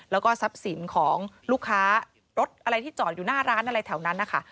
แล้วก็ทรัพย์สินของลูกค้ารถอะไรที่จอดอยู่หน้าร้านอะไรแถวนั้นนะคะ